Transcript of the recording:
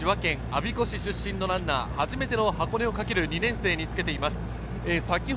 千葉県我孫子市出身のランナー、初めての箱根を駆ける２年生につけています。